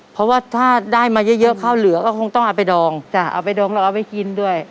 เพราะว่าถ้าได้มาเยอะเยอะข้าวเหลือก็คงต้องเอาไปดองจ้ะเอาไปดองแล้วเอาไปกินด้วย